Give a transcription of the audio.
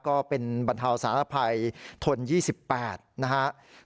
ก็เป็นบรรทาวศาลภัยทน๒๘นะฮะ